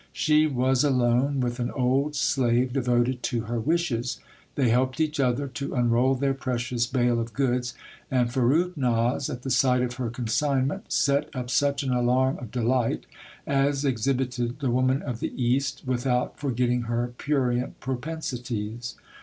She was alone with an old slave devoted to her wishes. They helped each other to unroll their precious bale of goods ; and Farrukhnaz, at the sight of her consignment, set up such an alarm of delight, as exhibited the woman of the East, without for getting her prurient propensities.